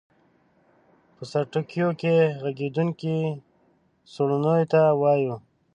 په سرټکیو کې غږېدونکیو سورڼیو ته وایو.